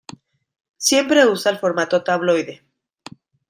Siempre usa el formato tabloide.